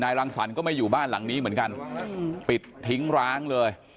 รังสรรคก็ไม่อยู่บ้านหลังนี้เหมือนกันปิดทิ้งร้างเลย